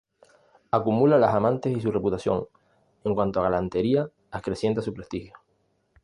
Acumula las amantes y su reputación, en cuanto a galantería, acrecienta su prestigio.